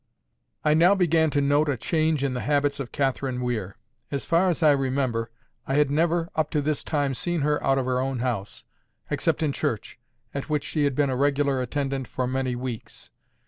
I now began to note a change in the habits of Catherine Weir. As far as I remember, I had never up to this time seen her out of her own house, except in church, at which she had been a regular attendant for many weeks.